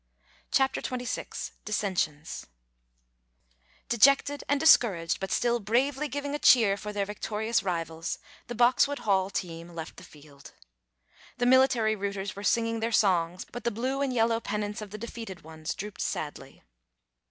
CHAPTER XXVI DISSENSIONS Dejected and discouraged, but still bravely giving a cheer for their victorious rivals, the Boxwood Hall team left the field. The military rooters were singing their songs, but the blue and yellow pennants of the defeated ones drooped sadly.